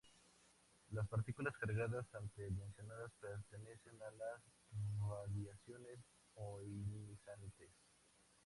Las partículas cargadas antes mencionadas pertenecen a las radiaciones ionizantes.